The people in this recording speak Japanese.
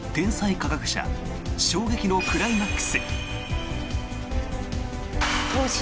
科学者衝撃のクライマックス！